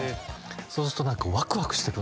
「そうすると何か」